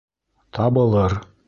Табылыр...